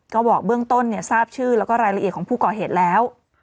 ก็บอกเบื้องต้นเนี่ยทราบชื่อแล้วก็รายละเอียดของผู้ก่อเหตุแล้ว